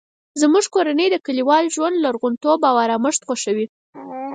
زموږ کورنۍ د کلیوالي ژوند لرغونتوب او ارامښت خوښوي